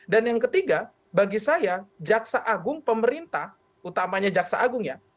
dan yang ketiga bagi saya jaksa agung pemerintah utamanya jaksa agung ya